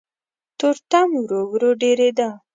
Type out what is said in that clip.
تورتم ورو ورو ډېرېده.